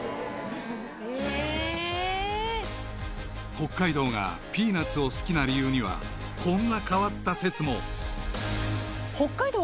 ［北海道がピーナッツを好きな理由にはこんな変わった説も］